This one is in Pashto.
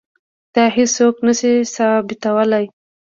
دا هیڅوک نه شي ثابتولی.